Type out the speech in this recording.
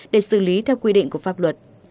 để xử lý theo quy định của pháp luật